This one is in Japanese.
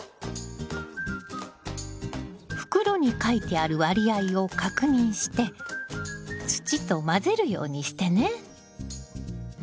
袋に書いてある割合を確認して土と混ぜるようにしてね。